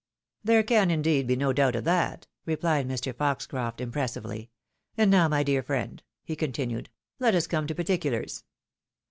" There can, indeed, be no doubt of that,'' replied Mr. Foxcroft impressively; "and now, my dear friend," he con tinued, " let us come to particulars.